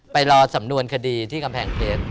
ไปรอสำนวนคดีที่กำแพงเพชร